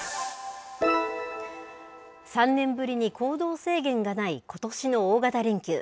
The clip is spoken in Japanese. ３年ぶりに行動制限がないことしの大型連休。